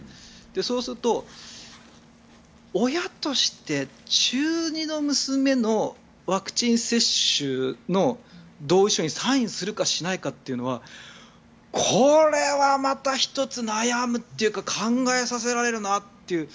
そうすると、親として中２の娘のワクチン接種の同意書にサインするかしないかというのはこれはまた１つ悩むというか考えさせられるなっていう。